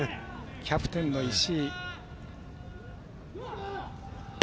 キャプテンの石井。